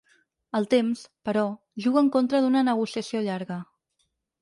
El temps, però, juga en contra d’una negociació llarga.